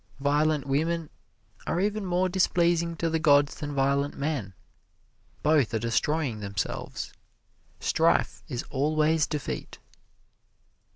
Violent women are even more displeasing to the gods than violent men both are destroying themselves. Strife is always defeat.